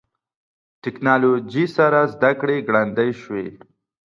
ټکنالوژي سره زدهکړه ګړندۍ شوې.